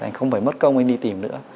anh không phải mất công anh đi tìm nữa